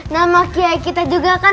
nah makanya kita juga kan